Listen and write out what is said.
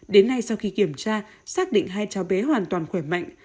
đến nay sau khi kiểm tra xác định hai cháu bé hoàn toàn khỏe mạnh